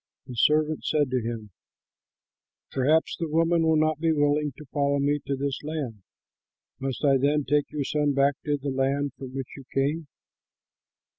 The servant said to him, "Perhaps the woman will not be willing to follow me to this land. Must I then take your son back to the land from which you came?"